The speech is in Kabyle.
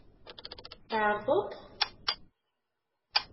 Tɛerḍeḍ-t?